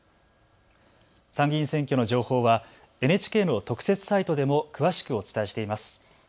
参議院選挙の情報はＮＨＫの特設サイトでも詳しくお伝えしています。